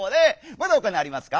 まだほかにありますか？」。